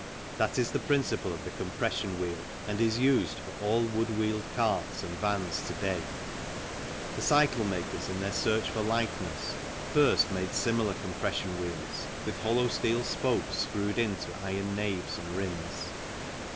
That is the principle of the compression wheel, and is used EARLY HISTORY AND ORIGIN OF THE BICYCLE 5 ior all wood wheeled carts and vans to day. The cycle makers, in their search for lightness, first made similar compression wheels, with hollow steel spokes screwed into iron naves and rims.